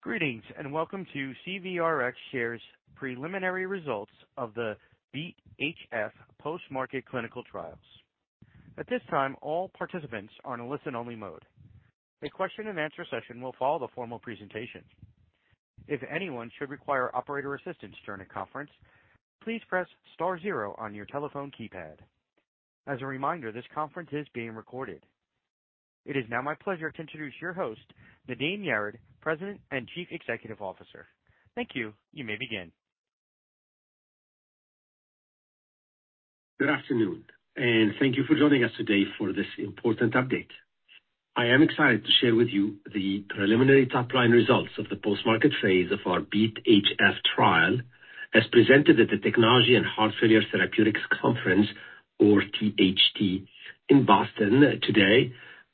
Greetings, welcome to CVRx share's preliminary results of the BeAT-HF post-market clinical trials. At this time, all participants are in listen-only mode. A question-and-answer session will follow the formal presentation. If anyone should require operator assistance during the conference, please press star zero on your telephone keypad. As a reminder, this conference is being recorded. It is now my pleasure to introduce your host, Nadim Yared, President and Chief Executive Officer. Thank you. You may begin. Thank you for joining us today for this important update. I am excited to share with you the preliminary top-line results of the post-market phase of our BeAT-HF trial, as presented at the Technology and Heart Failure Therapeutics conference, or THT, in Boston today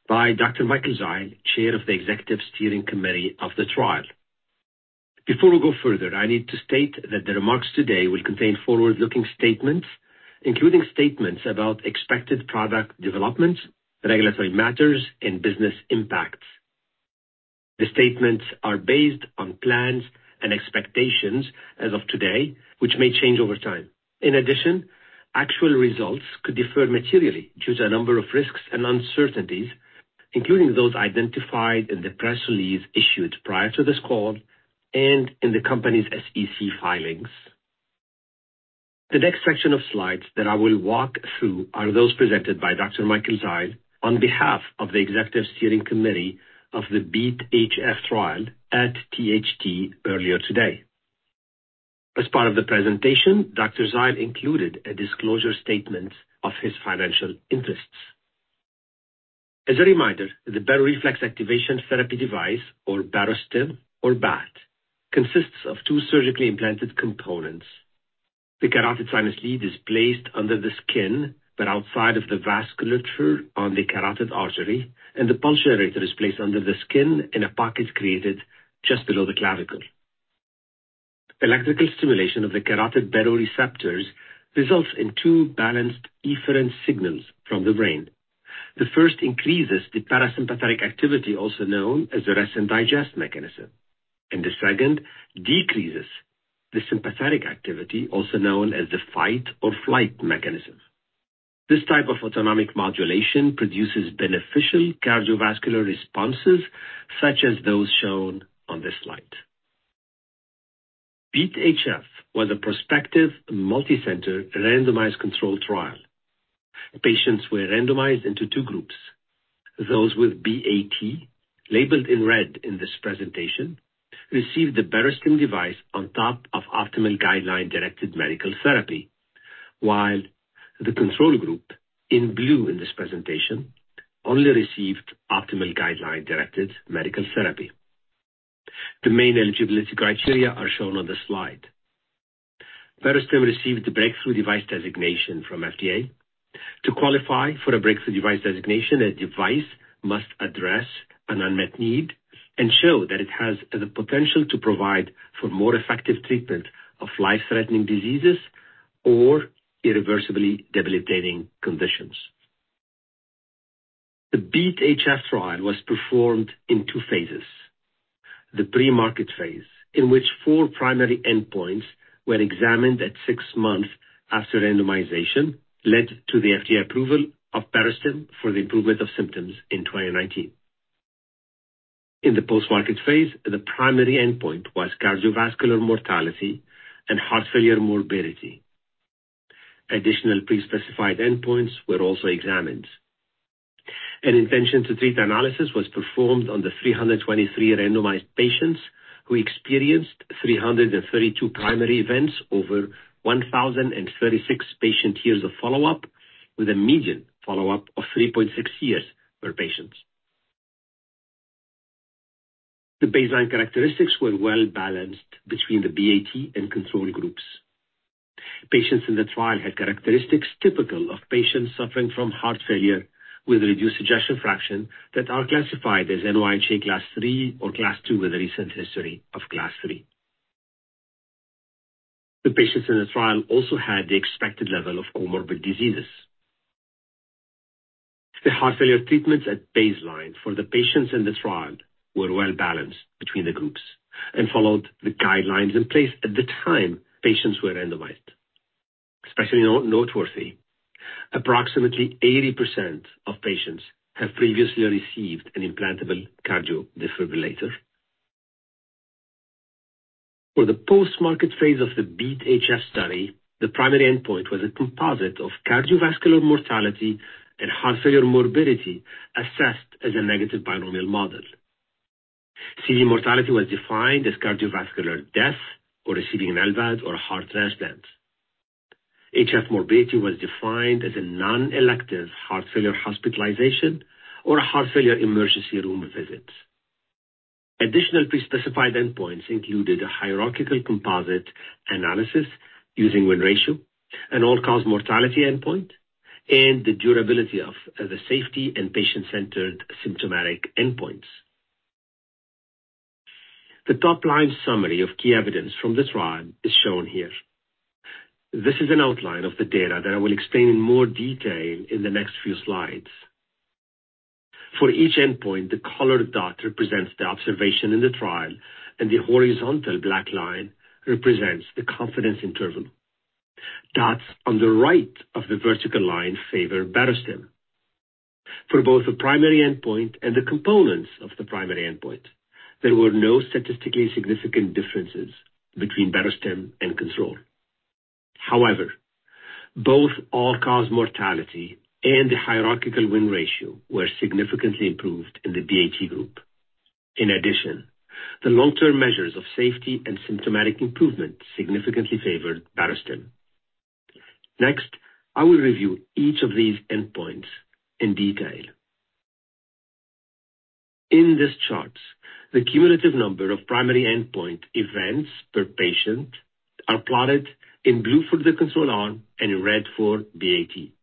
by Dr. Michael Zile, Chair of the Executive Steering Committee of the trial. Before we go further, I need to state that the remarks today will contain forward-looking statements, including statements about expected product developments, regulatory matters, and business impacts. The statements are based on plans and expectations as of today, which may change over time. In addition, actual results could differ materially due to a number of risks and uncertainties, including those identified in the press release issued prior to this call and in the company's SEC filings. The next section of slides that I will walk through are those presented by Dr. Michael Zile on behalf of the Executive Steering Committee of the BeAT-HF trial at THT earlier today. As part of the presentation, Dr. Zile included a disclosure statement of his financial interests. As a reminder, the baroreflex activation therapy device, or Barostim or BAT, consists of two surgically implanted components. The Carotid Sinus Lead is placed under the skin, but outside of the vasculature on the carotid artery, and the pulse generator is placed under the skin in a pocket created just below the clavicle. Electrical stimulation of the carotid baroreceptors results in two balanced efferent signals from the brain. The first increases the parasympathetic activity, also known as the rest and digest mechanism, and the second decreases the sympathetic activity, also known as the fight or flight mechanism. This type of autonomic modulation produces beneficial cardiovascular responses, such as those shown on this slide. BeAT-HF was a prospective, multicenter, randomized controlled trial. Patients were randomized into 2 groups. Those with BAT, labeled in red in this presentation, received the Barostim device on top of optimal guideline-directed medical therapy. The control group, in blue in this presentation, only received optimal guideline-directed medical therapy. The main eligibility criteria are shown on the slide. Barostim received the Breakthrough Device designation from FDA. To qualify for a Breakthrough Device designation, a device must address an unmet need and show that it has the potential to provide for more effective treatment of life-threatening diseases or irreversibly debilitating conditions. The BeAT-HF trial was performed in 2 phases. The pre-market phase, in which 4 primary endpoints were examined at 6 months after randomization, led to the FDA approval of Barostim for the improvement of symptoms in 2019. In the post-market phase, the primary endpoint was cardiovascular mortality and heart failure morbidity. Additional pre-specified endpoints were also examined. An intention-to-treat analysis was performed on the 323 randomized patients who experienced 332 primary events over 1,036 patient years of follow-up, with a median follow-up of 3.6 years per patient. The baseline characteristics were well-balanced between the BAT and control groups. Patients in the trial had characteristics typical of patients suffering from heart failure with reduced ejection fraction that are classified as NYHA Class III or Class II with a recent history of Class III. The patients in the trial also had the expected level of comorbid diseases. The heart failure treatments at baseline for the patients in the trial were well-balanced between the groups and followed the guidelines in place at the time patients were randomized. Especially noteworthy, approximately 80% of patients have previously received an implantable cardio defibrillator. For the post-market phase of the BeAT-HF study, the primary endpoint was a composite of cardiovascular mortality and heart failure morbidity assessed as a negative binomial model. CV mortality was defined as cardiovascular death or receiving an LVAD or a heart transplant. HF morbidity was defined as a non-elective heart failure hospitalization or a heart failure emergency room visit. Additional pre-specified endpoints included a hierarchical composite analysis using win ratio, an all-cause mortality endpoint, and the durability of the safety and patient-centered symptomatic endpoints. The top-line summary of key evidence from this trial is shown here. This is an outline of the data that I will explain in more detail in the next few slides. For each endpoint, the colored dot represents the observation in the trial, and the horizontal black line represents the confidence interval. Dots on the right of the vertical line favor Barostim. For both the primary endpoint and the components of the primary endpoint, there were no statistically significant differences between Barostim and control. Both all-cause mortality and the hierarchical win ratio were significantly improved in the BAT group. The long-term measures of safety and symptomatic improvement significantly favored Barostim. I will review each of these endpoints in detail. In this chart, the cumulative number of primary endpoint events per patient are plotted in blue for the control arm and red for BAT.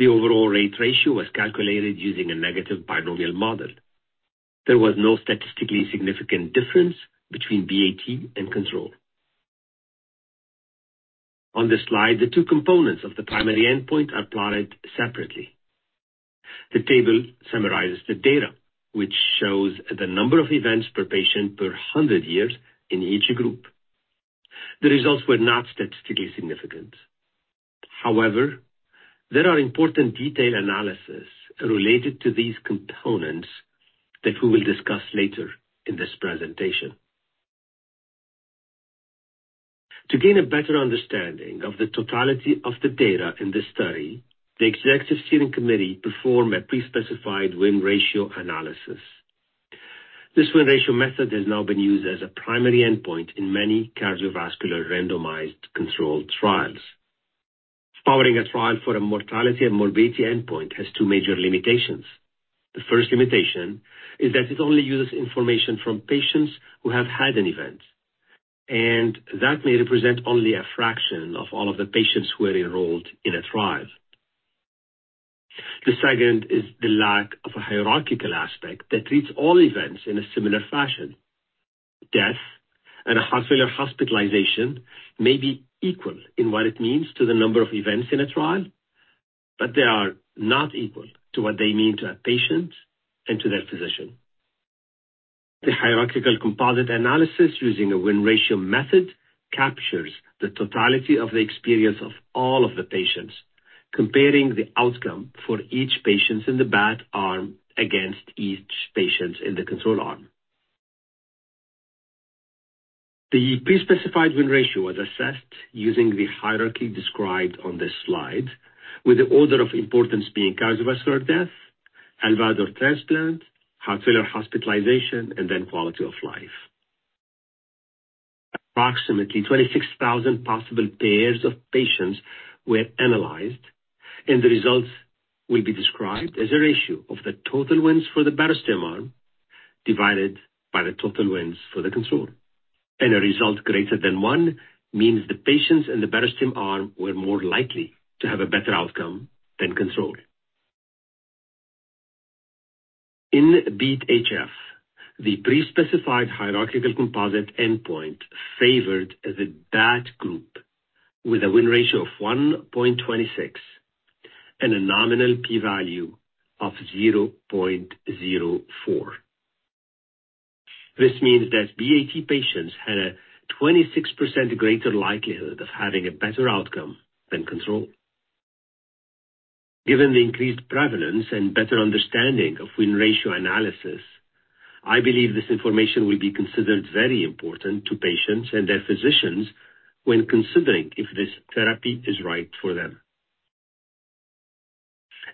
The overall rate ratio was calculated using a negative binomial model. There was no statistically significant difference between BAT and control. On this slide, the two components of the primary endpoint are plotted separately. The table summarizes the data, which shows the number of events per patient per 100 years in each group. The results were not statistically significant. There are important detailed analysis related to these components that we will discuss later in this presentation. To gain a better understanding of the totality of the data in this study, the Executive Steering Committee performed a pre-specified win ratio analysis. This win ratio method has now been used as a primary endpoint in many cardiovascular randomized controlled trials. Powering a trial for a mortality and morbidity endpoint has two major limitations. The first limitation is that it only uses information from patients who have had an event, and that may represent only a fraction of all of the patients who are enrolled in a trial. The second is the lack of a hierarchical aspect that treats all events in a similar fashion. Death and a heart failure hospitalization may be equal in what it means to the number of events in a trial, but they are not equal to what they mean to a patient and to their physician. The hierarchical composite analysis using a win ratio method captures the totality of the experience of all of the patients, comparing the outcome for each patient in the BAT arm against each patient in the control arm. The pre-specified win ratio was assessed using the hierarchy described on this slide, with the order of importance being cardiovascular death, LVAD or transplant, heart failure hospitalization, and then quality of life. Approximately 26,000 possible pairs of patients were analyzed, and the results will be described as a ratio of the total wins for the Barostim arm divided by the total wins for the control. A result greater than 1 means the patients in the Barostim arm were more likely to have a better outcome than control. In BeAT-HF, the pre-specified hierarchical composite endpoint favored the BAT group with a win ratio of 1.26 and a nominal P value of 0.04. This means that BAT patients had a 26% greater likelihood of having a better outcome than control. Given the increased prevalence and better understanding of win-ratio analysis, I believe this information will be considered very important to patients and their physicians when considering if this therapy is right for them.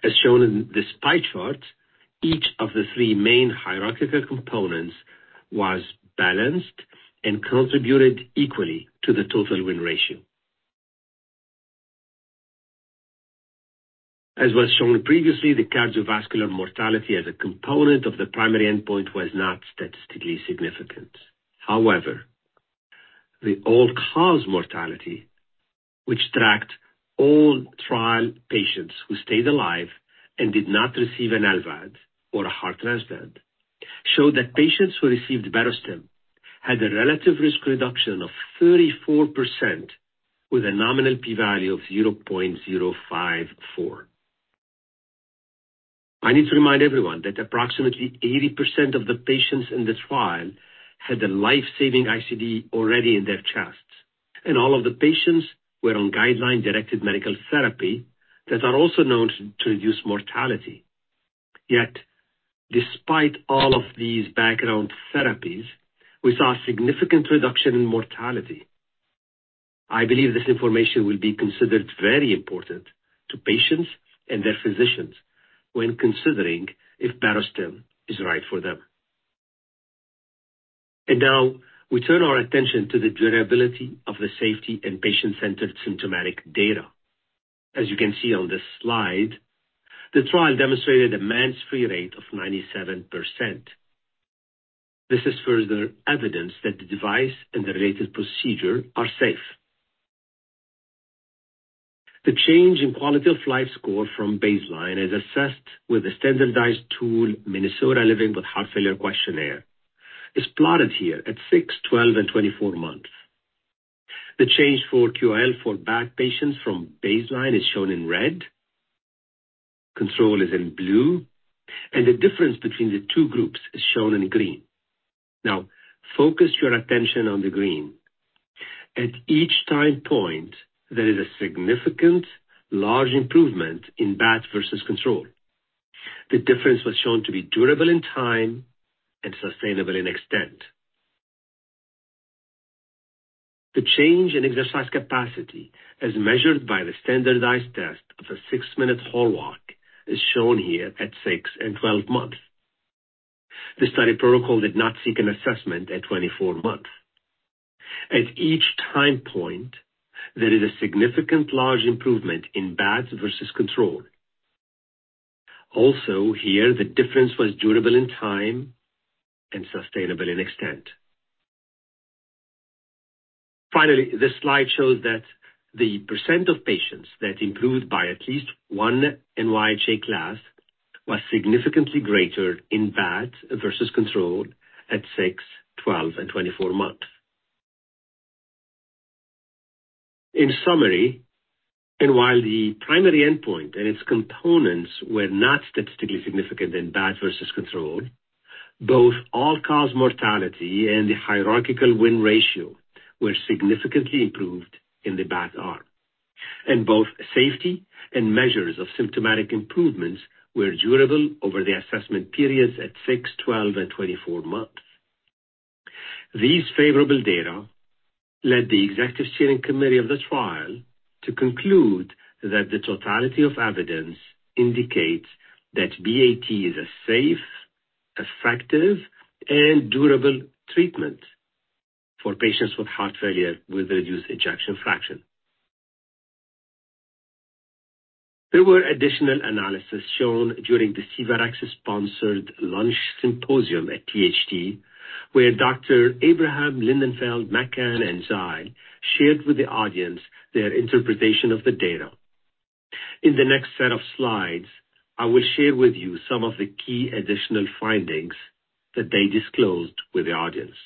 As shown in this pie chart, each of the three main hierarchical components was balanced and contributed equally to the total win ratio. As was shown previously, the cardiovascular mortality as a component of the primary endpoint was not statistically significant. The all-cause mortality, which tracked all trial patients who stayed alive and did not receive an LVAD or a heart transplant, showed that patients who received Barostim had a relative risk reduction of 34% with a nominal P value of 0.054. I need to remind everyone that approximately 80% of the patients in the trial had a life-saving ICD already in their chests, and all of the patients were on guideline-directed medical therapy that are also known to reduce mortality. Yet, despite all of these background therapies, we saw a significant reduction in mortality. I believe this information will be considered very important to patients and their physicians when considering if Barostim is right for them. Now we turn our attention to the durability of the safety and patient-centered symptomatic data. As you can see on this slide, the trial demonstrated a MACE-free rate of 97%. This is further evidence that the device and the related procedure are safe. The change in quality of life score from baseline is assessed with a standardized tool, Minnesota Living with Heart Failure Questionnaire. It's plotted here at 6, 12, and 24 months. The change for QOL for BAT patients from baseline is shown in red, control is in blue. The difference between the two groups is shown in green. Focus your attention on the green. At each time point, there is a significant large improvement in BAT versus control. The difference was shown to be durable in time and sustainable in extent. The change in exercise capacity, as measured by the standardized test of a six-minute hall walk, is shown here at 6 and 12 months. The study protocol did not seek an assessment at 24 months. At each time point, there is a significant large improvement in BAT versus control. Here, the difference was durable in time and sustainable in extent. Finally, this slide shows that the % of patients that improved by at least one NYHA class was significantly greater in BAT versus control at six, 12, and 24 months. In summary, while the primary endpoint and its components were not statistically significant in BAT versus control, both all-cause mortality and the hierarchical win ratio were significantly improved in the BAT arm. Both safety and measures of symptomatic improvements were durable over the assessment periods at six, 12, and 24 months. These favorable data led the Executive Steering Committee of the trial to conclude that the totality of evidence indicates that BAT is a safe, effective, and durable treatment for patients with heart failure with reduced ejection fraction. There were additional analysis shown during the CVRx-sponsored lunch symposium at THT, where Dr. Abraham, Lindenfeld, McCann, and Zile shared with the audience their interpretation of the data. In the next set of slides, I will share with you some of the key additional findings that they disclosed with the audience.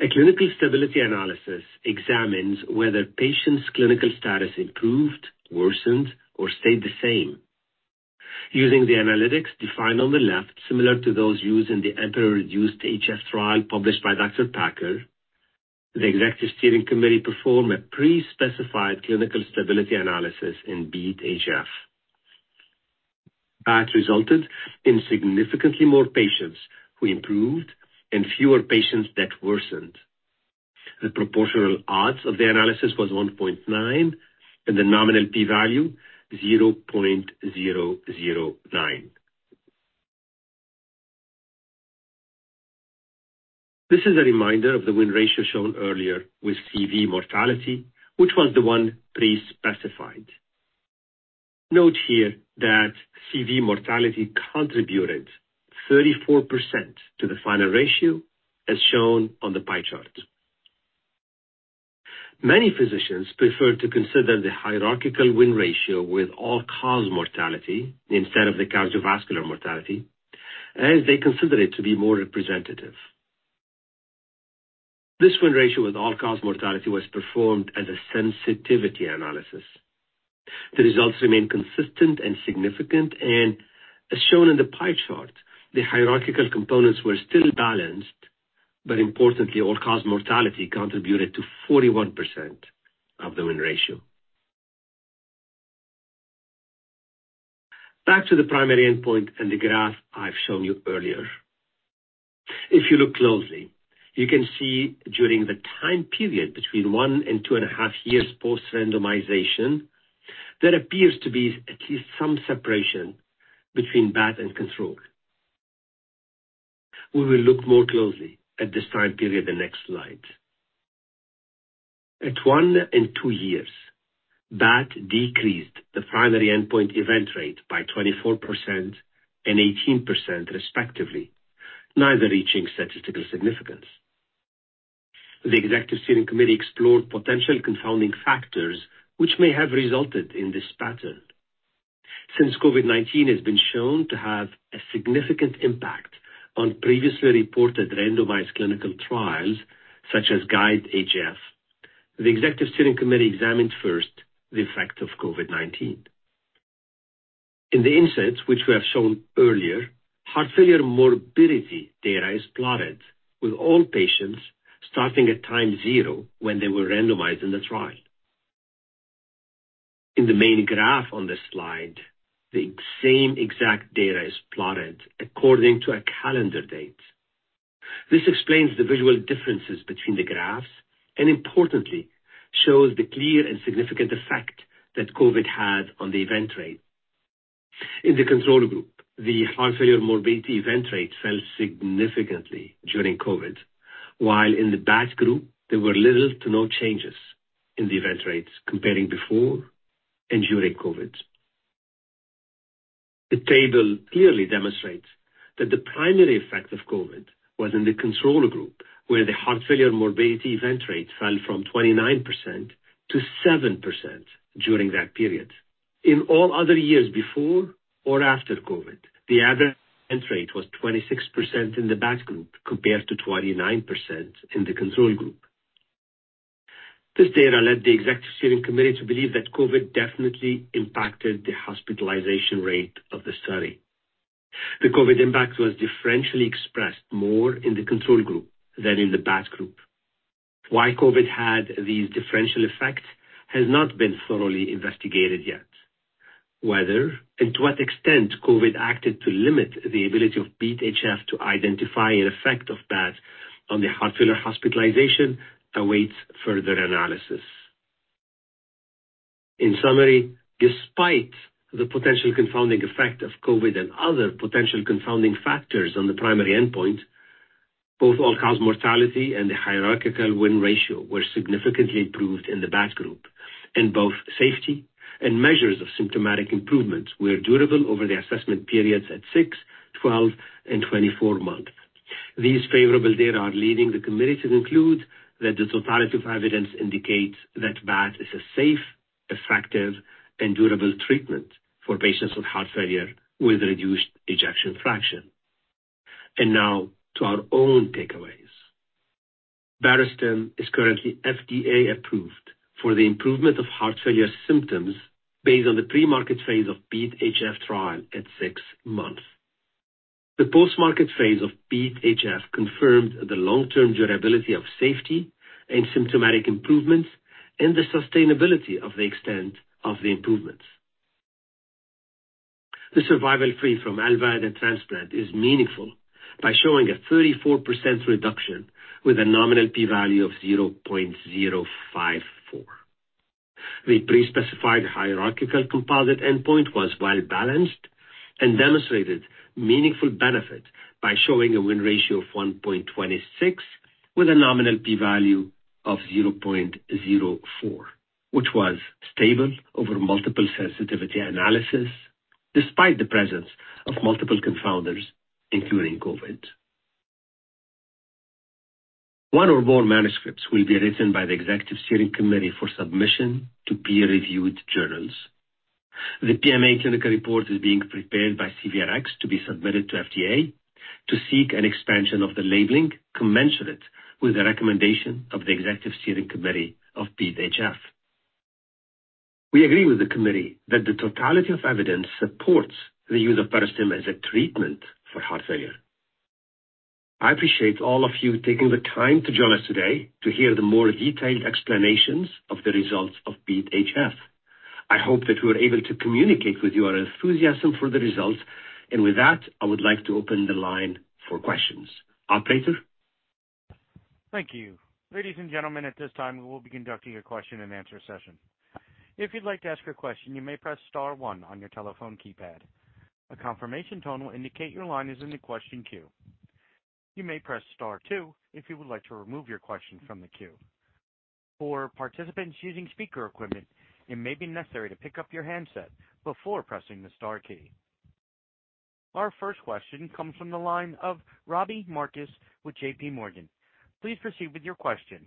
A clinical stability analysis examines whether patients' clinical status improved, worsened, or stayed the same. Using the analytics defined on the left, similar to those used in the EMPEROR-Reduced HF trial published by Dr. Packer, the executive steering committee performed a pre-specified clinical stability analysis in BeAT-HF. BAT resulted in significantly more patients who improved and fewer patients that worsened. The proportional odds of the analysis was 1.9, and the nominal P value, 0.009. This is a reminder of the win ratio shown earlier with CV mortality, which was the one pre-specified. Note here that CV mortality contributed 34% to the final ratio, as shown on the pie chart. Many physicians prefer to consider the hierarchical win ratio with all-cause mortality instead of the cardiovascular mortality, as they consider it to be more representative. This win ratio with all-cause mortality was performed as a sensitivity analysis. The results remain consistent and significant. As shown in the pie chart, the hierarchical components were still balanced, but importantly, all-cause mortality contributed to 41% of the win ratio. Back to the primary endpoint and the graph I've shown you earlier. If you look closely, you can see during the time period between 1 and 2.5 years post-randomization, there appears to be at least some separation between BAT and control. We will look more closely at this time period the next slide. At 1 and 2 years, BAT decreased the primary endpoint event rate by 24% and 18% respectively, neither reaching statistical significance. COVID-19 has been shown to have a significant impact on previously reported randomized clinical trials such as GUIDE-HF, the executive steering committee examined first the effect of COVID-19. In the inserts, which we have shown earlier, heart failure morbidity data is plotted with all patients starting at time zero when they were randomized in the trial. In the main graph on this slide, the same exact data is plotted according to a calendar date. This explains the visual differences between the graphs, and importantly, shows the clear and significant effect that COVID had on the event rate. In the control group, the heart failure morbidity event rate fell significantly during COVID, while in the BAT group there were little to no changes in the event rates comparing before and during COVID. The table clearly demonstrates that the primary effect of COVID was in the control group, where the heart failure morbidity event rate fell from 29% to 7% during that period. In all other years before or after COVID, the average event rate was 26% in the BAT group compared to 29% in the control group. This data led the executive steering committee to believe that COVID definitely impacted the hospitalization rate of the study. The COVID impact was differentially expressed more in the control group than in the BAT group. Why COVID had these differential effects has not been thoroughly investigated yet. Whether and to what extent COVID acted to limit the ability of BeAT-HF to identify an effect of BAT on the heart failure hospitalization awaits further analysis. In summary, despite the potential confounding effect of COVID and other potential confounding factors on the primary endpoint, both all-cause mortality and the hierarchical win ratio were significantly improved in the BAT group. Both safety and measures of symptomatic improvements were durable over the assessment periods at 6, 12, and 24 months. These favorable data are leading the committee to conclude that the totality of evidence indicates that BAT is a safe, effective, and durable treatment for patients with heart failure with reduced ejection fraction. Now to our own takeaways. Barostim is currently FDA-approved for the improvement of heart failure symptoms based on the pre-market phase of BeAT-HF trial at 6 months. The post-market phase of BeAT-HF confirmed the long-term durability of safety and symptomatic improvements and the sustainability of the extent of the improvements. The survival free from LVAD transplant is meaningful by showing a 34% reduction with a nominal P value of 0.054. The pre-specified hierarchical composite endpoint was well-balanced and demonstrated meaningful benefit by showing a win ratio of 1.26 with a nominal P value of 0.04, which was stable over multiple sensitivity analysis despite the presence of multiple confounders, including COVID-19. One or more manuscripts will be written by the Executive Steering Committee for submission to peer-reviewed journals. The PMA technical report is being prepared by CVRx to be submitted to FDA to seek an expansion of the labeling commensurate with the recommendation of the Executive Steering Committee of BeAT-HF. We agree with the committee that the totality of evidence supports the use of Barostim as a treatment for heart failure. I appreciate all of you taking the time to join us today to hear the more detailed explanations of the results of BeAT-HF. I hope that we were able to communicate with you our enthusiasm for the results. With that, I would like to open the line for questions. Operator. Thank you. Ladies and gentlemen, at this time, we will be conducting a question-and-answer session. If you'd like to ask a question, you may press star one on your telephone keypad. A confirmation tone will indicate your line is in the question queue. You may press star two if you would like to remove your question from the queue. For participants using speaker equipment, it may be necessary to pick up your handset before pressing the star key. Our first question comes from the line of Robbie Marcus with JPMorgan. Please proceed with your question.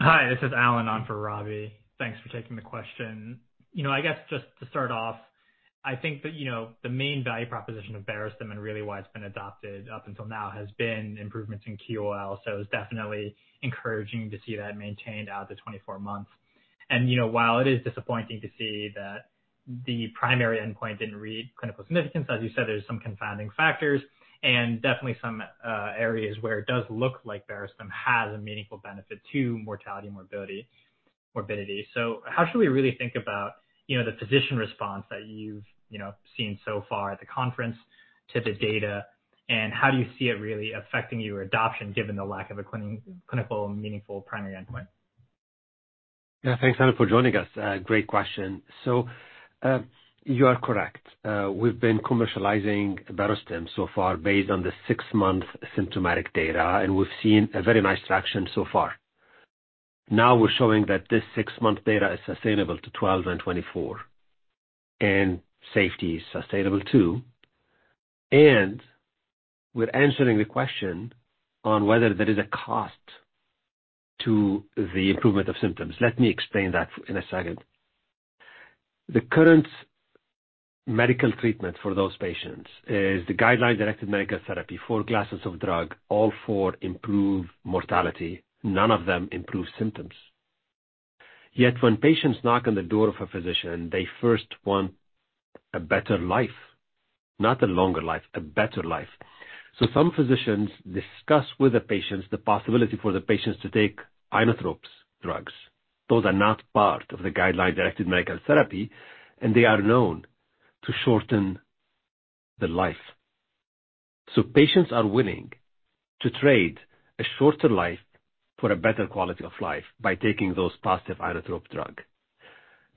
Hi, this is Alan on for Robbie. Thanks for taking the question. You know, I guess just to start off, I think that, you know, the main value proposition of Barostim and really why it's been adopted up until now has been improvements in QOL. It's definitely encouraging to see that maintained out to 24 months. You know, while it is disappointing to see that the primary endpoint didn't read clinical significance, as you said, there's some confounding factors and definitely some areas where it does look like Barostim has a meaningful benefit to mortality, morbidity. How should we really think about, you know, the physician response that you've, you know, seen so far at the conference to the data? How do you see it really affecting your adoption given the lack of a clinical meaningful primary endpoint? Thanks, Alan, for joining us. Great question. You are correct. We've been commercializing Barostim so far based on the 6-month symptomatic data, and we've seen a very nice traction so far. Now we're showing that this 6-month data is sustainable to 12 and 24, and safety is sustainable too. We're answering the question on whether there is a cost to the improvement of symptoms. Let me explain that in a second. The current medical treatment for those patients is the guideline-directed medical therapy, 4 classes of drug, all 4 improve mortality. None of them improve symptoms. Yet when patients knock on the door of a physician, they first want a better life. Not a longer life, a better life. Some physicians discuss with the patients the possibility for the patients to take inotropes drugs. Those are not part of the guideline-directed medical therapy, and they are known to shorten the life. Patients are willing to trade a shorter life for a better quality of life by taking those positive inotrope drug.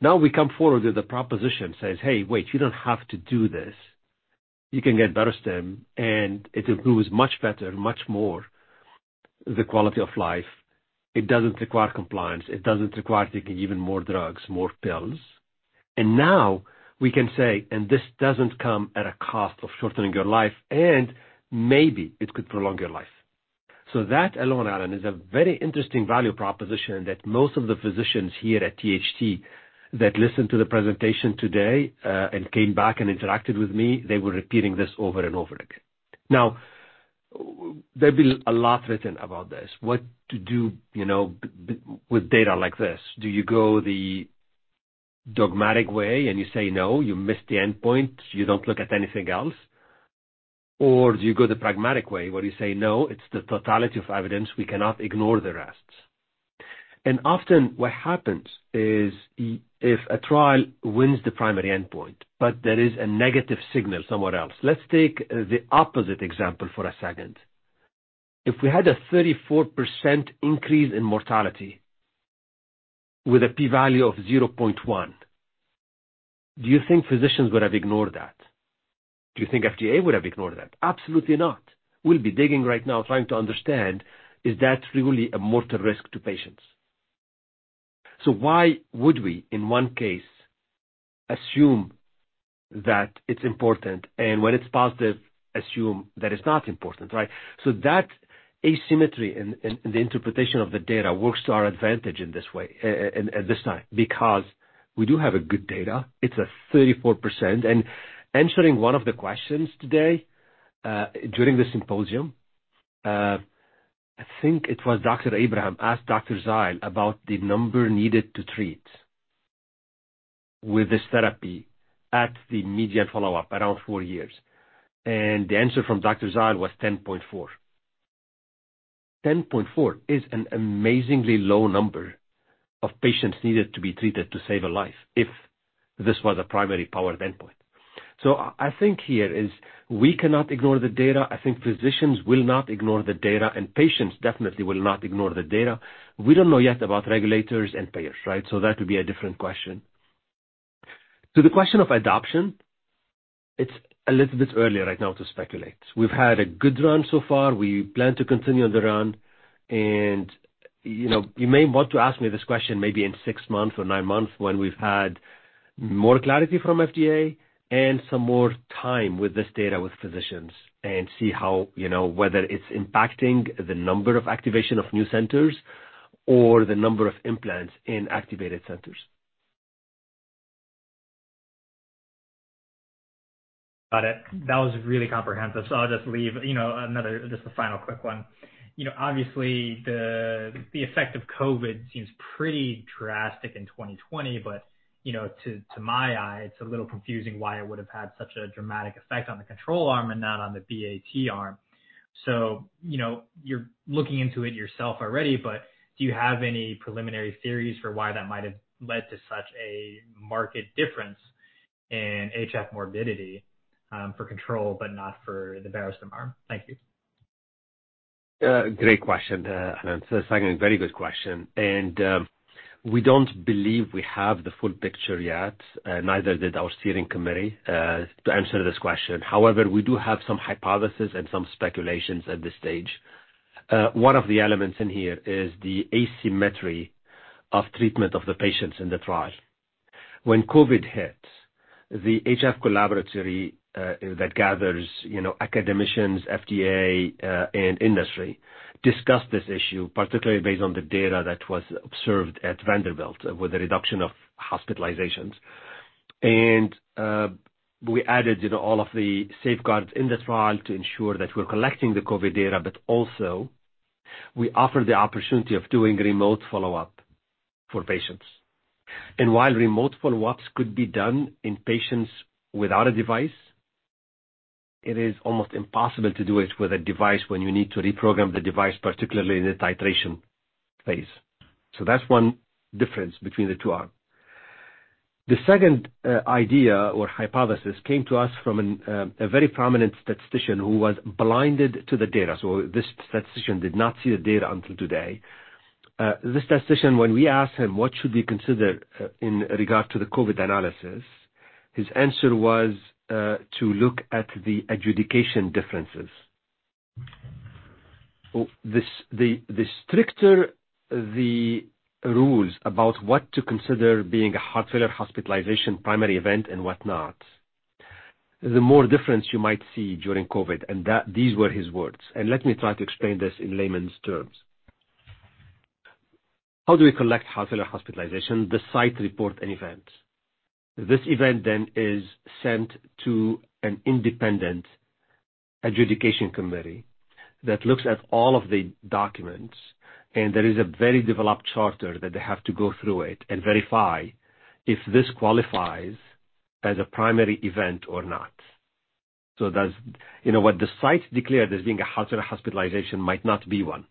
Now we come forward with a proposition says, "Hey, wait, you don't have to do this. You can get Barostim, and it improves much better, much more. The quality of life. It doesn't require compliance. It doesn't require taking even more drugs, more pills. Now we can say, "And this doesn't come at a cost of shortening your life, and maybe it could prolong your life." That alone, Alan, is a very interesting value proposition that most of the physicians here at THT that listened to the presentation today, and came back and interacted with me, they were repeating this over and over again. There's been a lot written about this. What to do, you know, with data like this. Do you go the dogmatic way and you say, no, you missed the endpoint, you don't look at anything else? Or do you go the pragmatic way where you say, No, it's the totality of evidence. We cannot ignore the rest. Often what happens is if a trial wins the primary endpoint, but there is a negative signal somewhere else. Let's take the opposite example for a second. If we had a 34% increase in mortality with a P value of 0.1, do you think physicians would have ignored that? Do you think FDA would have ignored that? Absolutely not. We'll be digging right now trying to understand, is that really a mortal risk to patients? Why would we, in one case, assume that it's important and when it's positive, assume that it's not important, right? That asymmetry in the interpretation of the data works to our advantage in this way, at this time, because we do have a good data. It's a 34%. Answering one of the questions today, during the symposium, I think it was Dr. Abraham asked Dr. Zile about the number needed to treat with this therapy at the median follow-up, around four years. The answer from Dr. Zile was 10.4. 10.4 is an amazingly low number of patients needed to be treated to save a life if this was a primary powered endpoint. I think here is we cannot ignore the data. I think physicians will not ignore the data, and patients definitely will not ignore the data. We don't know yet about regulators and payers, right? That would be a different question. To the question of adoption, it's a little bit early right now to speculate. We've had a good run so far. We plan to continue on the run. You know, you may want to ask me this question maybe in six months or nine months when we've had more clarity from FDA and some more time with this data with physicians and see how, you know, whether it's impacting the number of activation of new centers or the number of implants in activated centers. Got it. That was really comprehensive. I'll just leave, you know. Just a final quick one. You know, obviously the effect of COVID seems pretty drastic in 2020, but, you know, to my eye, it's a little confusing why it would have had such a dramatic effect on the control arm and not on the BAT arm. You know, you're looking into it yourself already, but do you have any preliminary theories for why that might have led to such a marked difference in HF morbidity for control but not for the Barostim arm? Thank you. Great question, and secondly, very good question. We don't believe we have the full picture yet, neither did our steering committee, to answer this question. However, we do have some hypothesis and some speculations at this stage. One of the elements in here is the asymmetry of treatment of the patients in the trial. When COVID hit, the Heart Failure Collaboratory that gathers, you know, academicians, FDA, and industry discussed this issue, particularly based on the data that was observed at Vanderbilt with the reduction of hospitalizations. And we added, you know, all of the safeguards in the trial to ensure that we're collecting the COVID data, but also we offer the opportunity of doing remote follow-up for patients. While remote follow-ups could be done in patients without a device, it is almost impossible to do it with a device when you need to reprogram the device, particularly in the titration phase. That's one difference between the two arms. The second idea or hypothesis came to us from an a very prominent statistician who was blinded to the data. This statistician did not see the data until today. This statistician, when we asked him, "What should we consider in regard to the COVID analysis?" His answer was to look at the adjudication differences. The stricter the rules about what to consider being a heart failure hospitalization primary event and whatnot, the more difference you might see during COVID, these were his words. Let me try to explain this in layman's terms. How do we collect heart failure hospitalizations? The site report an event. This event is sent to an independent adjudication committee that looks at all of the documents. There is a very developed charter that they have to go through it and verify if this qualifies as a primary event or not. You know what the site declared as being a heart failure hospitalization might not be one.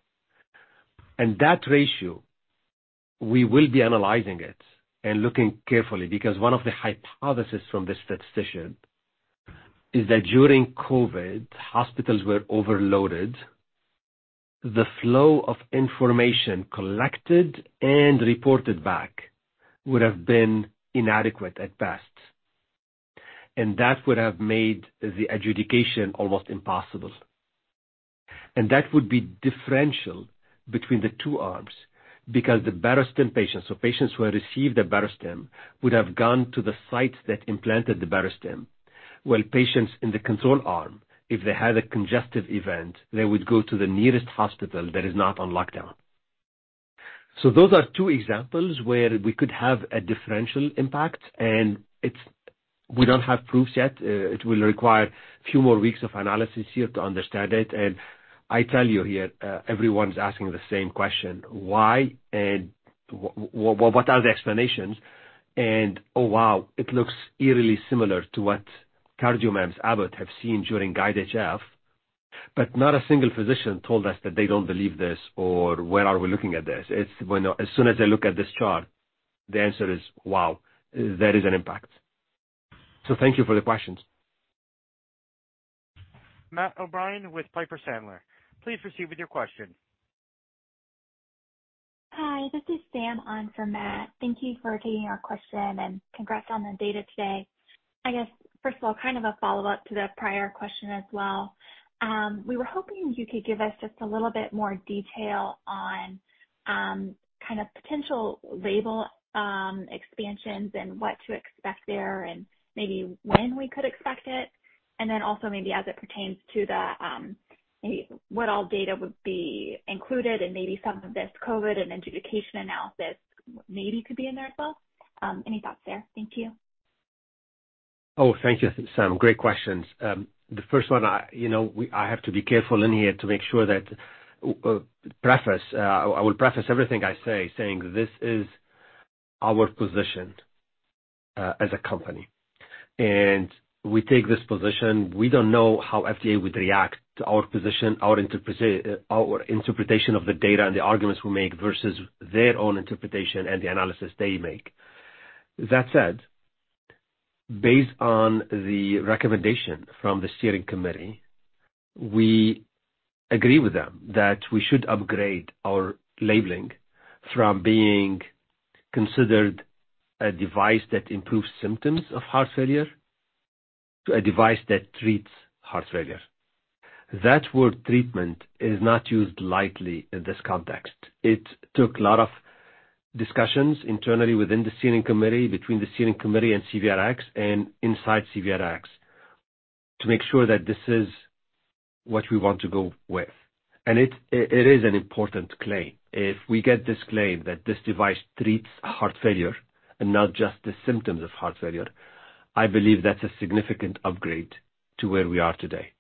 That ratio, we will be analyzing it and looking carefully because one of the hypothesis from the statistician is that during COVID, hospitals were overloaded. The flow of information collected and reported back would have been inadequate at best. And that would have made the adjudication almost impossible. That would be differential between the two arms because the Barostim patients or patients who have received the Barostim would have gone to the site that implanted the Barostim. While patients in the control arm, if they had a congestive event, they would go to the nearest hospital that is not on lockdown. those are two examples where we could have a differential impact, and it's we don't have proofs yet. It will require a few more weeks of analysis here to understand it. I tell you here, everyone's asking the same question, why and what are the explanations? oh, wow, it looks eerily similar to what CardioMEMS Abbott have seen during GUIDE-HF, but not a single physician told us that they don't believe this or where are we looking at this? It's, you know, as soon as they look at this chart, the answer is, "Wow, there is an impact." Thank you for the questions. Matt O'Brien with Piper Sandler. Please proceed with your question. Hi, this is Sam on for Matt. Thank you for taking our question, and congrats on the data today. I guess, first of all, kind of a follow-up to the prior question as well. We were hoping you could give us just a little bit more detail on kind of potential label expansions and what to expect there and maybe when we could expect it. Then also maybe as it pertains to the, maybe what all data would be included and maybe some of this COVID and adjudication analysis maybe could be in there as well. Any thoughts there? Thank you. Oh, thank you, Sam. Great questions. The first one I, you know, I have to be careful in here to make sure that preface, I will preface everything I say saying this is our position as a company, and we take this position. We don't know how FDA would react to our position, our interpretation of the data and the arguments we make versus their own interpretation and the analysis they make. That said, based on the recommendation from the steering committee, we agree with them that we should upgrade our labeling from being considered a device that improves symptoms of heart failure to a device that treats heart failure. That word treatment is not used lightly in this context. It took a lot of discussions internally within the steering committee, between the steering committee and CVRx and inside CVRx, to make sure that this is what we want to go with. It is an important claim. If we get this claim that this device treats heart failure and not just the symptoms of heart failure, I believe that's a significant upgrade to where we are today.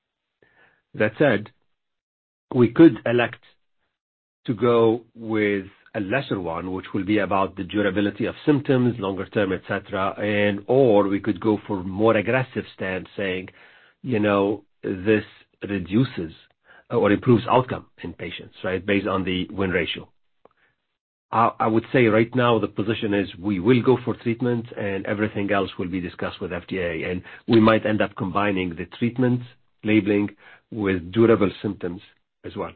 That said, we could elect to go with a lesser one, which will be about the durability of symptoms, longer term, et cetera, and/or we could go for more aggressive stance saying, you know, this reduces or improves outcome in patients, right? Based on the win ratio. I would say right now the position is we will go for treatment and everything else will be discussed with FDA, and we might end up combining the treatment labeling with durable symptoms as well.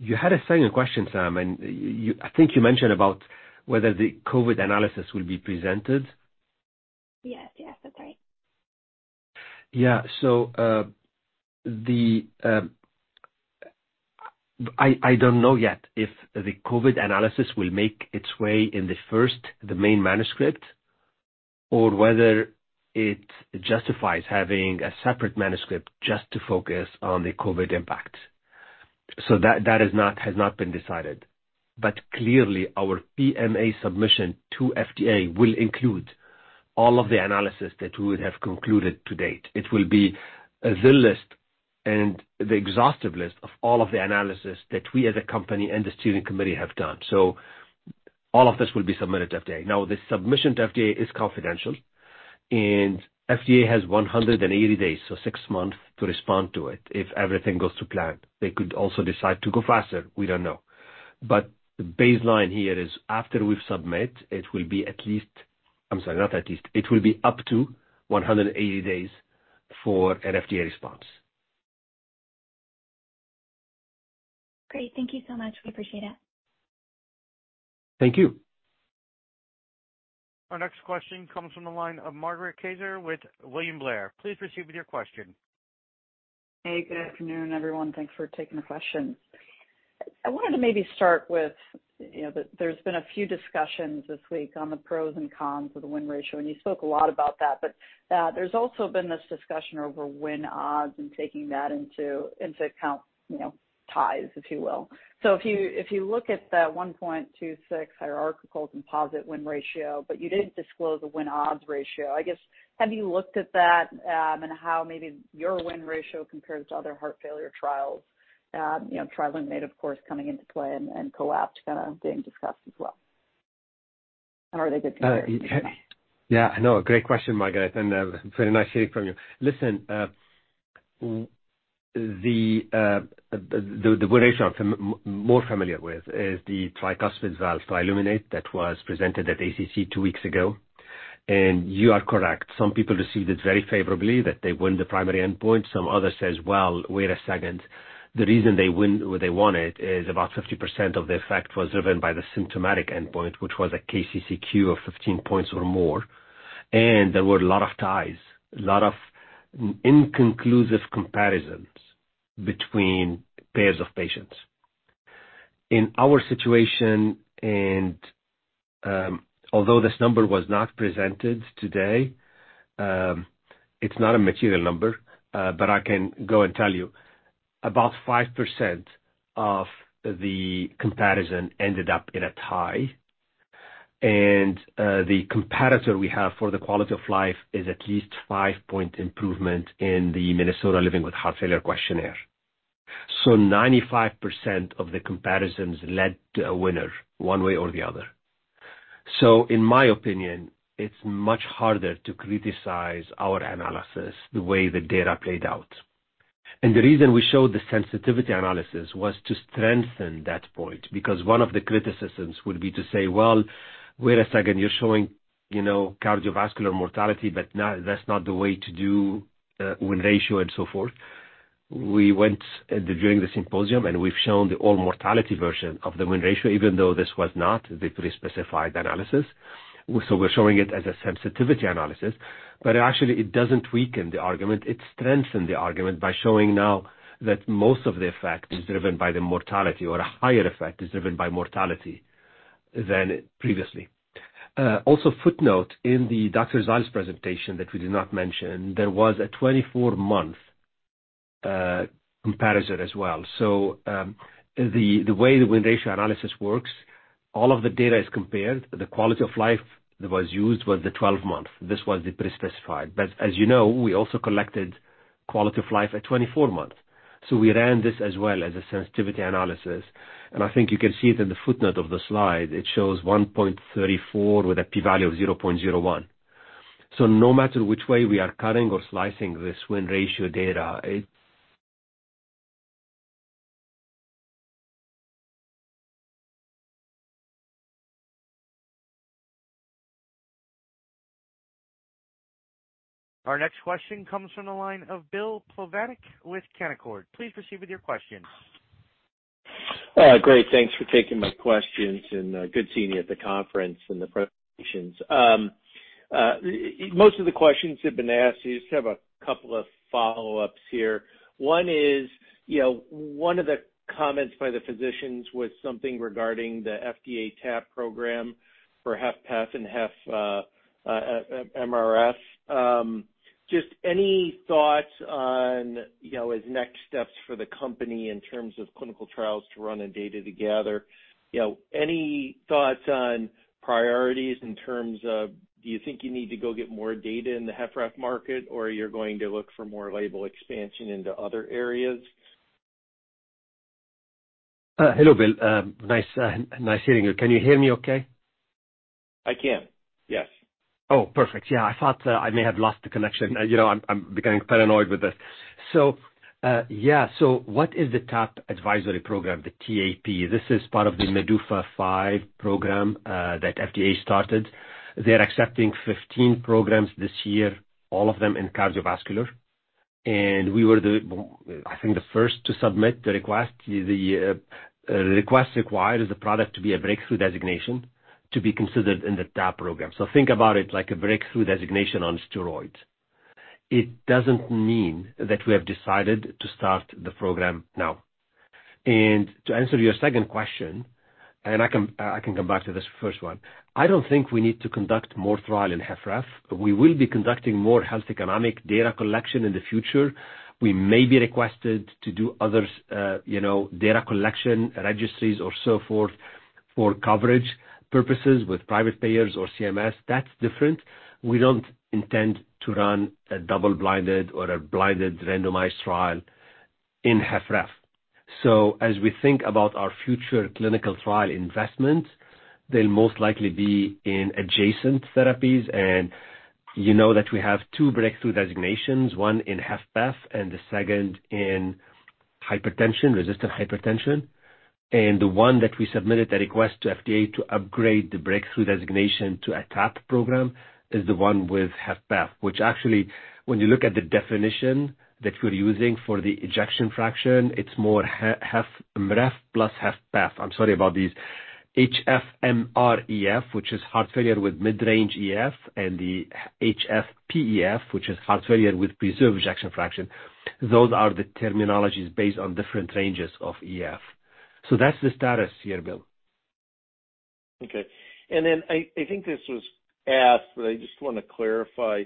You had a second question, Sam, and you I think you mentioned about whether the COVID analysis will be presented. Yes. Yes. That's right. Yeah. I don't know yet if the COVID analysis will make its way in the first, the main manuscript, or whether it justifies having a separate manuscript just to focus on the COVID impact. That has not been decided. Clearly, our PMA submission to FDA will include all of the analysis that we would have concluded to date. It will be the list and the exhaustive list of all of the analysis that we as a company and the steering committee have done. All of this will be submitted to FDA. The submission to FDA is confidential, and FDA has 180 days, so 6 months to respond to it if everything goes to plan. They could also decide to go faster. We don't know. The baseline here is after we've submit, it will be up to 180 days for an FDA response. Great. Thank you so much. We appreciate it. Thank you. Our next question comes from the line of Margaret Kaczor with William Blair. Please proceed with your question. Hey, good afternoon, everyone. Thanks for taking the question. I wanted to maybe start with, you know, there's been a few discussions this week on the pros and cons of the win ratio, and you spoke a lot about that. There's also been this discussion over win odds and taking that into account, you know, ties, if you will. If you look at the 1.26 hierarchical composite win ratio, but you didn't disclose a win odds ratio, I guess, have you looked at that, and how maybe your win ratio compares to other heart failure trials, you know, trial limited of course coming into play and collapsed kind of being discussed as well? Or are they just? Yeah, no. Great question, Margaret, and very nice hearing from you. Listen, the win ratio I'm more familiar with is the tricuspid valve TRILUMINATE that was presented at ACC two weeks ago. You are correct. Some people received it very favorably that they won the primary endpoint. Some others says, "Well, wait a second. The reason they win or they won it is about 50% of the effect was driven by the symptomatic endpoint, which was a KCCQ of 15 points or more. There were a lot of ties, a lot of inconclusive comparisons between pairs of patients. In our situation, and although this number was not presented today, it's not a material number, but I can go and tell you about 5% of the comparison ended up in a tie. The competitor we have for the quality of life is at least 5-point improvement in the Minnesota Living with Heart Failure Questionnaire. 95% of the comparisons led to a winner one way or the other. In my opinion, it's much harder to criticize our analysis the way the data played out. The reason we showed the sensitivity analysis was to strengthen that point, because one of the criticisms would be to say, "Well, wait a second, you're showing, you know, cardiovascular mortality, that's not the way to do, win ratio and so forth." We went during the symposium, and we've shown the all mortality version of the win ratio, even though this was not the pre-specified analysis. We're showing it as a sensitivity analysis, but actually it doesn't weaken the argument. It strengthened the argument by showing now that most of the effect is driven by the mortality or a higher effect is driven by mortality than previously. Also footnote in the Dr. Zile's presentation that we did not mention, there was a 24-month comparison as well. The way the win ratio analysis works, all of the data is compared. The quality of life that was used was the 12 month. This was the pre-specified. As you know, we also collected quality of life at 24 months. We ran this as well as a sensitivity analysis, and I think you can see it in the footnote of the slide. It shows 1.34 with a P value of 0.01. No matter which way we are cutting or slicing this win ratio data. Our next question comes from the line of Bill Plovanic with Canaccord. Please proceed with your questions. Great. Thanks for taking my questions and good seeing you at the conference and the presentations. Most of the questions have been asked. I just have a couple of follow-ups here. One is, you know, one of the comments by the physicians was something regarding the FDA TAP program for HFpEF and HFmrEF. Just any thoughts on, you know, as next steps for the company in terms of clinical trials to run and data to gather? You know, any thoughts on priorities in terms of do you think you need to go get more data in the HFrEF market or you're going to look for more label expansion into other areas? Hello, Bill. Nice hearing you. Can you hear me okay? I can, yes. Oh, perfect. Yeah, I thought I may have lost the connection. You know, I'm becoming paranoid with this. Yeah. What is the TAP advisory program, the TAP? This is part of the MDUFA V program that FDA started. They're accepting 15 programs this year, all of them in cardiovascular. We were, I think, the first to submit the request. The request required is the product to be a Breakthrough Device designation to be considered in the TAP program. Think about it like a Breakthrough Device designation on steroids. It doesn't mean that we have decided to start the program now. To answer your second question, I can come back to this first one. I don't think we need to conduct more trial in HFrEF. We will be conducting more health economic data collection in the future. We may be requested to do other, you know, data collection registries or so forth for coverage purposes with private payers or CMS. That's different. We don't intend to run a double-blinded or a blinded randomized trial in HFrEF. As we think about our future clinical trial investments, they'll most likely be in adjacent therapies. You know that we have two breakthrough designations, one in HFpEF and the second in hypertension, resistant hypertension. The one that we submitted a request to FDA to upgrade the breakthrough designation to a TAP program is the one with HFpEF, which actually, when you look at the definition that we're using for the ejection fraction, it's more HFpEF plus HFpEF. I'm sorry about these. HFmrEF, which is heart failure with mid-range EF, and the HFpEF, which is heart failure with preserved ejection fraction. Those are the terminologies based on different ranges of EF. That's the status here, Bill. Okay. I think this was asked, I just want to clarify.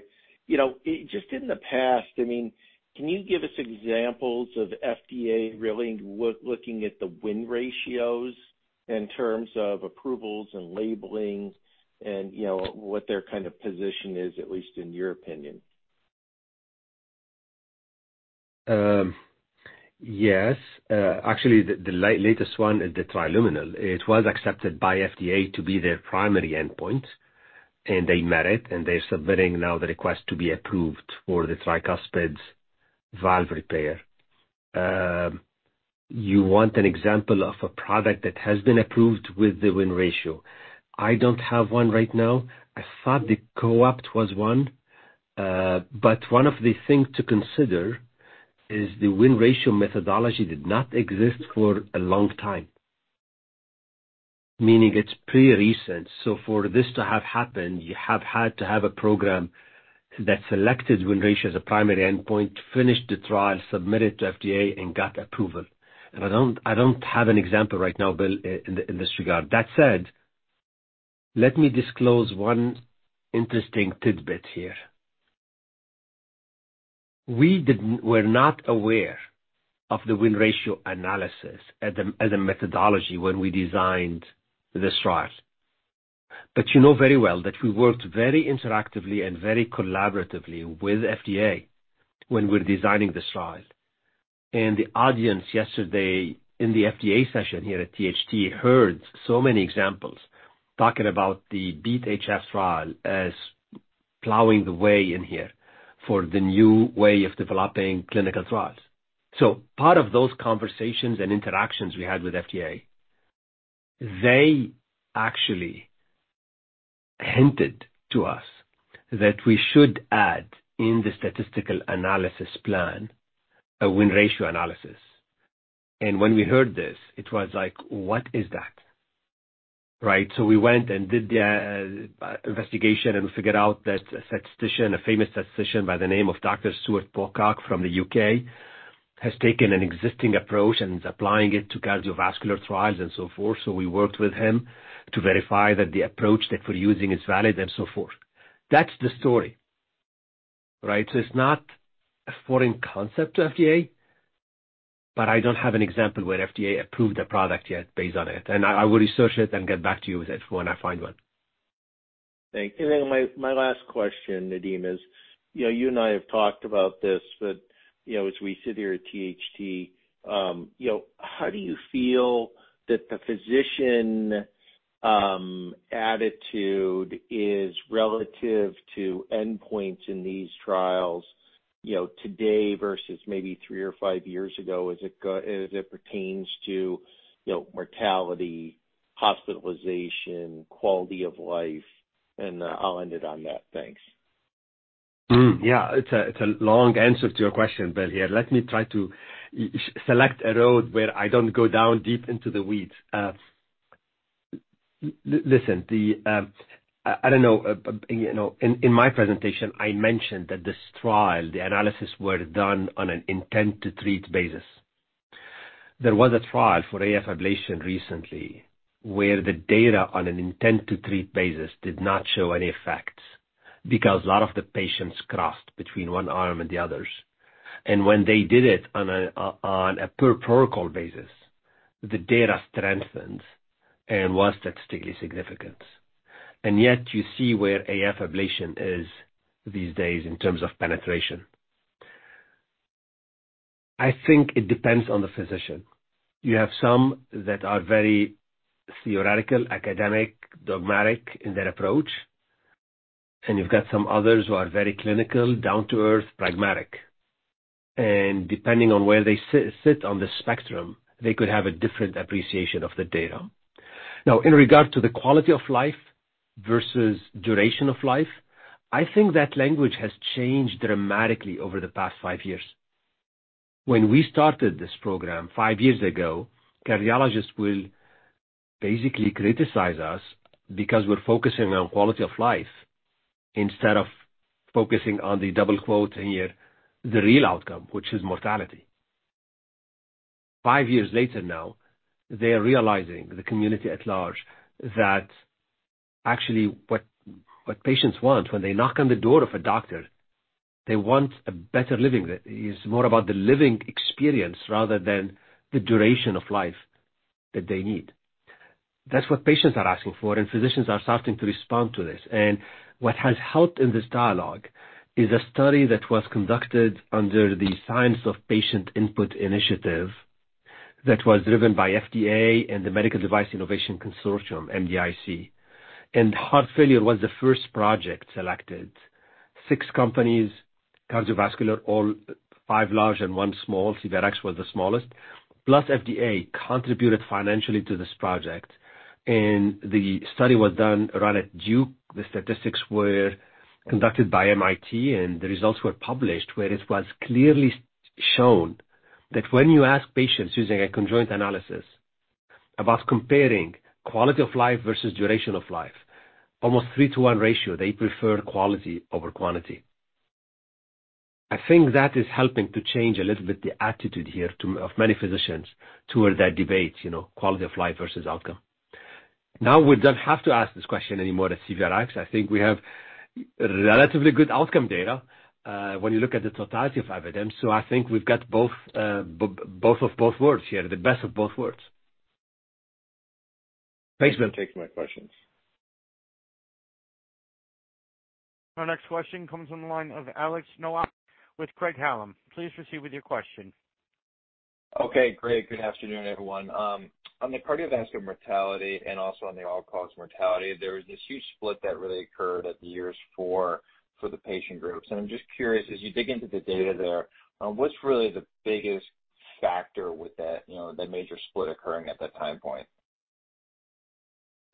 You know, just in the past, I mean, can you give us examples of FDA really looking at the win ratio in terms of approvals and labeling and, you know, what their kind of position is, at least in your opinion? Yes. Actually the latest one is the TRILUMINATE. It was accepted by FDA to be their primary endpoint, and they met it, and they're submitting now the request to be approved for the tricuspid valve repair. You want an example of a product that has been approved with the win ratio? I don't have one right now. I thought the COAPT was one. One of the things to consider is the win ratio methodology did not exist for a long time. Meaning it's pretty recent. For this to have happened, you have had to have a program that selected win ratio as a primary endpoint, finished the trial, submitted to FDA and got approval. I don't have an example right now, Bill, in this regard. That said, let me disclose one interesting tidbit here. We were not aware of the win ratio analysis as a methodology when we designed this trial. You know very well that we worked very interactively and very collaboratively with FDA when we're designing this trial. The audience yesterday in the FDA session here at THT heard so many examples talking about the BeAT-HF trial as plowing the way in here for the new way of developing clinical trials. Part of those conversations and interactions we had with FDA, they actually hinted to us that we should add in the statistical analysis plan a win ratio analysis. When we heard this, it was like, what is that? Right. We went and did the investigation and figured out that a statistician, a famous statistician by the name of Dr. Stuart Pocock from the U.K., has taken an existing approach and is applying it to cardiovascular trials and so forth. We worked with him to verify that the approach that we're using is valid and so forth. That's the story, right? It's not a foreign concept to FDA. I don't have an example where FDA approved a product yet based on it, and I will research it and get back to you with it when I find one. Thank you. My last question, Nadim, is, you know, you and I have talked about this, but, you know, as we sit here at THT, you know, how do you feel that the physician attitude is relative to endpoints in these trials, you know, today versus maybe 3 or 5 years ago, as it pertains to, you know, mortality, hospitalization, quality of life? I'll end it on that. Thanks. Yeah. It's a long answer to your question, Bill, here. Let me try to select a road where I don't go down deep into the weeds. listen, the, I don't know, you know, in my presentation, I mentioned that this trial, the analysis were done on an intent to treat basis. There was a trial for AF ablation recently where the data on an intent to treat basis did not show any effects because a lot of the patients crossed between one arm and the others. When they did it on a per protocol basis, the data strengthened and was statistically significant. Yet you see where AF ablation is these days in terms of penetration. I think it depends on the physician. You have some that are very theoretical, academic, dogmatic in their approach. You've got some others who are very clinical, down-to-earth, pragmatic. Depending on where they sit on the spectrum, they could have a different appreciation of the data. In regard to the quality of life versus duration of life, I think that language has changed dramatically over the past 5 years. When we started this program 5 years ago, cardiologists will basically criticize us because we're focusing on quality of life instead of focusing on the double quote here, the real outcome, which is mortality. 5 years later now, they are realizing, the community at large, that actually what patients want when they knock on the door of a doctor, they want a better living. That is more about the living experience rather than the duration of life that they need. That's what patients are asking for, and physicians are starting to respond to this. What has helped in this dialogue is a study that was conducted under the Science of Patient Input initiative that was driven by FDA and the Medical Device Innovation Consortium, MDIC. Heart failure was the first project selected. 6 companies, cardiovascular, all 5 large and 1 small, CVRx was the smallest, plus FDA contributed financially to this project, and the study was done right at Duke. The statistics were conducted by MIT, and the results were published, where it was clearly shown that when you ask patients using a conjoint analysis about comparing quality of life versus duration of life, almost 3 to 1 ratio, they prefer quality over quantity. I think that is helping to change a little bit the attitude here of many physicians towards that debate, you know, quality of life versus outcome. Now, we don't have to ask this question anymore at CVRx. I think we have relatively good outcome data when you look at the totality of evidence. I think we've got both of both worlds here, the best of both worlds. Thanks, Bill. That takes my questions. Our next question comes from the line of Alex Nowak with Craig-Hallum. Please proceed with your question. Okay, great. Good afternoon, everyone. On the cardiovascular mortality and also on the all-cause mortality, there was this huge split that really occurred at the years for the patient groups. I'm just curious, as you dig into the data there, what's really the biggest factor with that, you know, that major split occurring at that time point?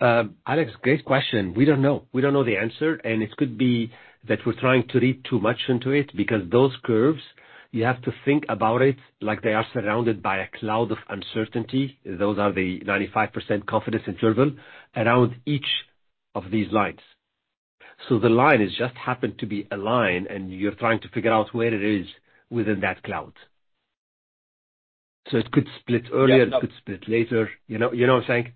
Alex, great question. We don't know. We don't know the answer. It could be that we're trying to read too much into it because those curves, you have to think about it like they are surrounded by a cloud of uncertainty. Those are the 95% confidence interval around each of these lines. The line is just happened to be a line, and you're trying to figure out where it is within that cloud. It could split earlier, it could split later. You know, you know what I'm saying?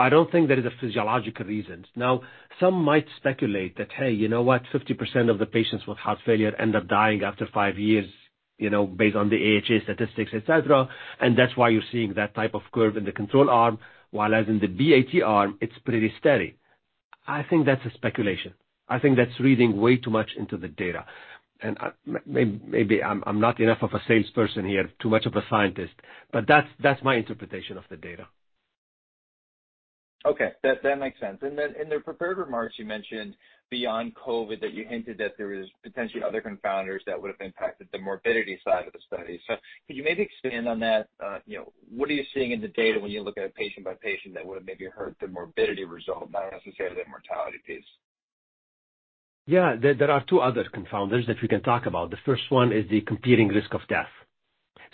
I don't think there is a physiological reason. Some might speculate that, hey, you know what, 50% of the patients with heart failure end up dying after five years, you know, based on the AHA statistics, et cetera. That's why you're seeing that type of curve in the control arm, while as in the BAT arm, it's pretty steady. I think that's a speculation. I think that's reading way too much into the data. Maybe I'm not enough of a salesperson here, too much of a scientist, but that's my interpretation of the data. Okay, that makes sense. In the prepared remarks you mentioned beyond COVID that you hinted that there is potentially other confounders that would have impacted the morbidity side of the study. Could you maybe expand on that? you know, what are you seeing in the data when you look at it patient by patient that would have maybe hurt the morbidity result, not necessarily the mortality piece? Yeah. There are two other confounders that we can talk about. The first one is the competing risk of death.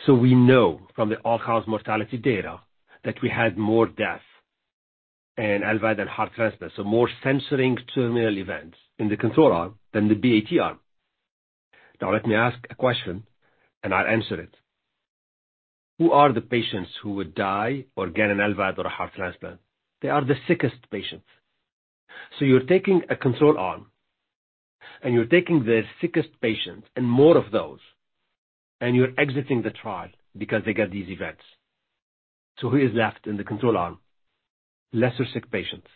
We know from the all-cause mortality data that we had more death and LVAD and heart transplant, so more censoring terminal events in the control arm than the BAT arm. Let me ask a question, and I'll answer it. Who are the patients who would die or get an LVAD or a heart transplant? They are the sickest patients. You're taking a control arm and you're taking the sickest patients and more of those, and you're exiting the trial because they get these events. Who is left in the control arm? Lesser sick patients.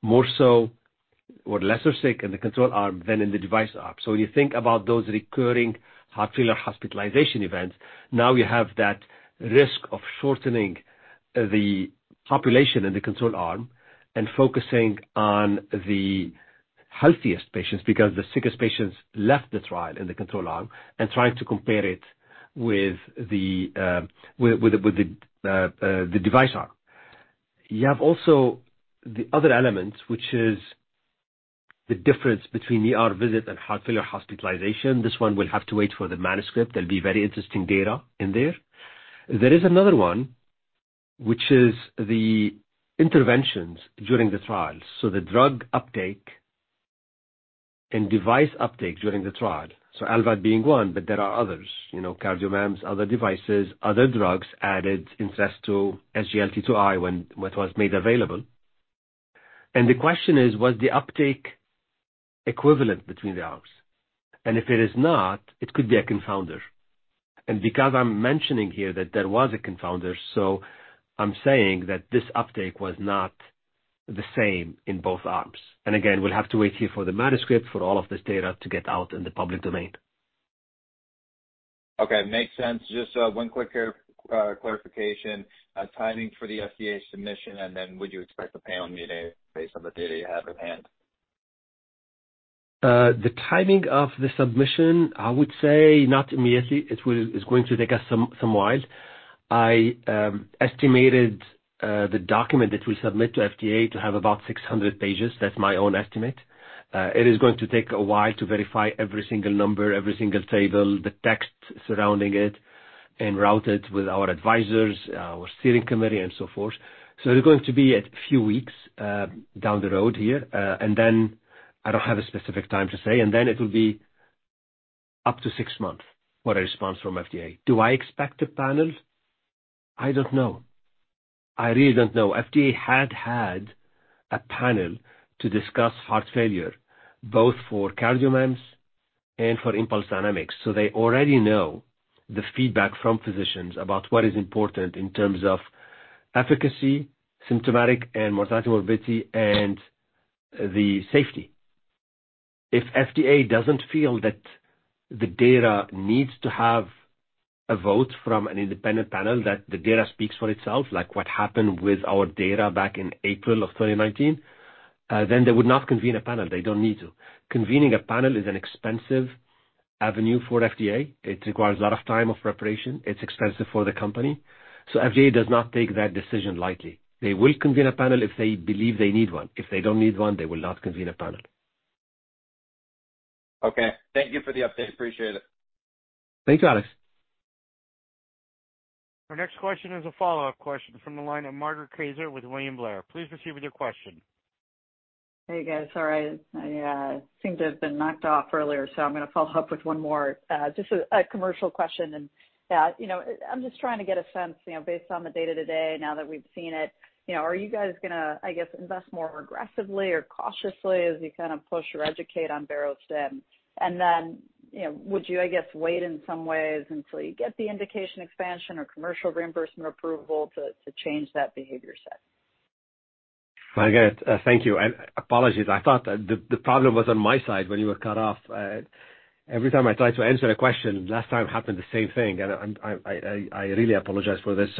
More so or lesser sick in the control arm than in the device arm. You think about those recurring heart failure hospitalization events, now you have that risk of shortening the population in the control arm and focusing on the healthiest patients because the sickest patients left the trial in the control arm and trying to compare it with the device arm. You have also the other element, which is the difference between the ER visit and heart failure hospitalization. This one will have to wait for the manuscript. There'll be very interesting data in there. There is another one, which is the interventions during the trial. The drug uptake and device uptake during the trial. LVAD being one, but there are others, you know, CardioMEMS, other devices, other drugs added, Entresto SGLT2i what was made available. The question is: Was the uptake equivalent between the arms? If it is not, it could be a confounder. Because I'm mentioning here that there was a confounder, I'm saying that this uptake was not the same in both arms. Again, we'll have to wait here for the manuscript for all of this data to get out in the public domain. Okay, makes sense. Just one quick clarification. Timing for the FDA submission, then would you expect a panel meeting based on the data you have in hand? The timing of the submission, I would say not immediately. It's going to take us some while. I estimated the document that we submit to FDA to have about 600 pages. That's my own estimate. It is going to take a while to verify every single number, every single table, the text surrounding it and route it with our advisors, our steering committee and so forth. It's going to be a few weeks down the road here. I don't have a specific time to say. It will be up to 6 months for a response from FDA. Do I expect a panel? I don't know. I really don't know. FDA had a panel to discuss heart failure, both for CardioMEMS and for Impulse Dynamics, they already know the feedback from physicians about what is important in terms of efficacy, symptomatic and mortality, morbidity, and the safety. If FDA doesn't feel that the data needs to have a vote from an independent panel, that the data speaks for itself, like what happened with our data back in April of 2019, they would not convene a panel. They don't need to. Convening a panel is an expensive avenue for FDA. It requires a lot of time of preparation. It's expensive for the company. FDA does not take that decision lightly. They will convene a panel if they believe they need one. If they don't need one, they will not convene a panel. Okay. Thank you for the update. Appreciate it. Thanks, Alex. Our next question is a follow-up question from the line of Margaret Kaczor with William Blair. Please proceed with your question. Hey, guys. Sorry, I seemed to have been knocked off earlier, so I'm gonna follow up with one more. Just a commercial question, you know, I'm just trying to get a sense, you know, based on the data today, now that we've seen it, you know, are you guys gonna, I guess, invest more aggressively or cautiously as you kind of push or educate on Barostim? You know, would you, I guess, wait in some ways until you get the indication expansion or commercial reimbursement approval to change that behavior set? Margaret, thank you. Apologies, I thought the problem was on my side when you were cut off. Every time I try to answer a question, last time happened the same thing. I really apologize for this.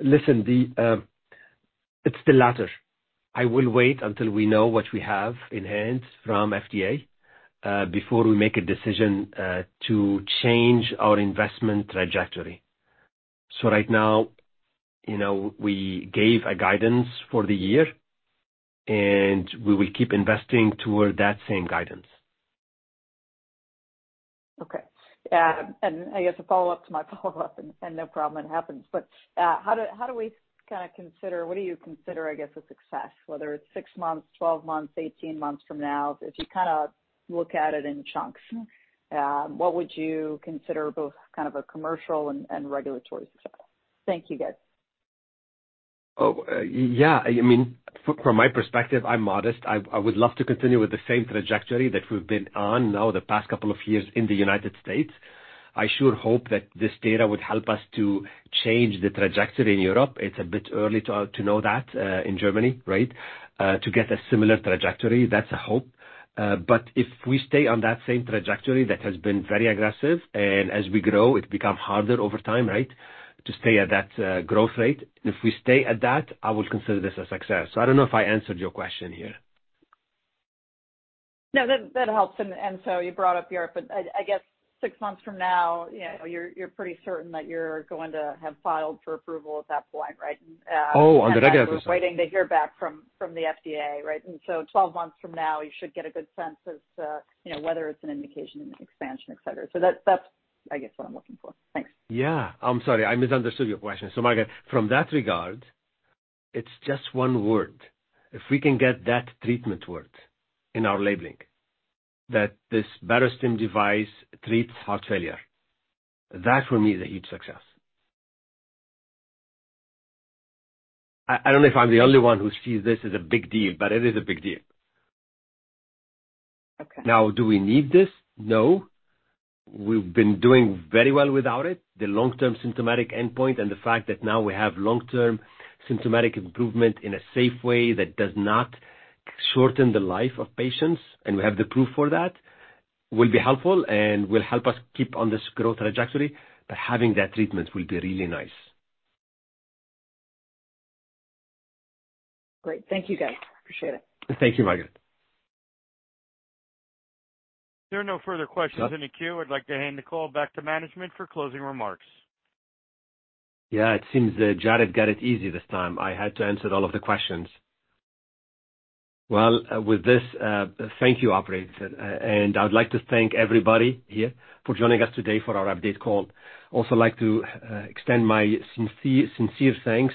Listen, the... It's the latter. I will wait until we know what we have in hand from FDA, before we make a decision to change our investment trajectory. Right now, you know, we gave a guidance for the year, and we will keep investing toward that same guidance. Okay. I guess a follow-up to my follow-up and no problem, it happens. What do you consider, I guess, a success? Whether it's 6 months, 12 months, 18 months from now. If you kinda look at it in chunks, what would you consider both kind of a commercial and regulatory success? Thank you, guys. Yeah. I mean, from my perspective, I'm modest. I would love to continue with the same trajectory that we've been on now the past couple of years in the United States. I sure hope that this data would help us to change the trajectory in Europe. It's a bit early to know that in Germany, right? To get a similar trajectory, that's a hope. If we stay on that same trajectory, that has been very aggressive, and as we grow, it become harder over time, right? To stay at that growth rate. If we stay at that, I will consider this a success. I don't know if I answered your question here. No, that helps. You brought up Europe. I guess six months from now, you're pretty certain that you're going to have filed for approval at that point, right? Oh, under that. Then we're waiting to hear back from the FDA, right? So 12 months from now you should get a good sense of, you know, whether it's an indication, an expansion, et cetera. That's, I guess, what I'm looking for. Thanks. Yeah. I'm sorry, I misunderstood your question. Margaret, from that regard, it's just one word. If we can get that treatment word in our labeling, that this Barostim device treats heart failure, that for me is a huge success. I don't know if I'm the only one who sees this as a big deal, but it is a big deal. Okay. Do we need this? No. We've been doing very well without it. The long-term symptomatic endpoint and the fact that now we have long-term symptomatic improvement in a safe way that does not shorten the life of patients, and we have the proof for that, will be helpful and will help us keep on this growth trajectory. Having that treatment will be really nice. Great. Thank you, guys. Appreciate it. Thank you, Margaret. There are no further questions in the queue. I'd like to hand the call back to management for closing remarks. Yeah. It seems Jared got it easy this time. I had to answer all of the questions. Well, with this, thank you, operator. I would like to thank everybody here for joining us today for our update call. Also like to extend my sincere thanks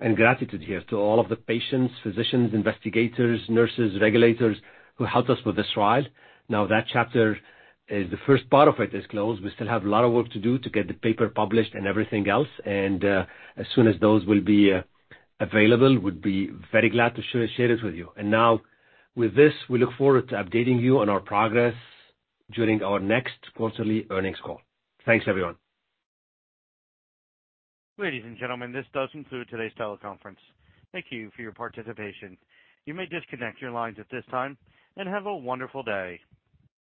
and gratitude here to all of the patients, physicians, investigators, nurses, regulators who helped us with this trial. The first part of it is closed. We still have a lot of work to do to get the paper published and everything else. As soon as those will be available, we'd be very glad to share this with you. Now with this, we look forward to updating you on our progress during our next quarterly earnings call. Thanks, everyone. Ladies and gentlemen, this does conclude today's teleconference. Thank you for your participation. You may disconnect your lines at this time, and have a wonderful day.